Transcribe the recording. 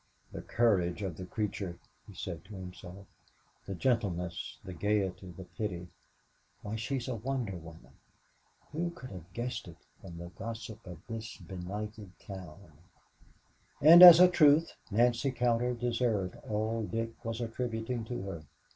"The courage of the creature," he said to himself; "the gentleness, the gayety, the pity why, she's a wonder woman. Who could have guessed it from the gossip of this benighted town?" And as a truth, Nancy Cowder deserved all Dick was attributing to her.